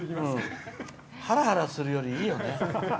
ハラハラするよりいいよね。